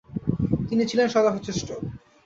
তিনি ছিলেন সদা সচেষ্ট।